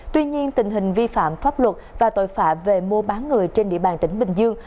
tuy nhiên tình hình vi phạm pháp luật và tội phạm về mua bán người trên địa bàn tỉnh bình dương